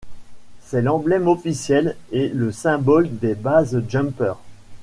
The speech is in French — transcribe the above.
C'est l'emblème officiel et le symbole des basejumpeurs.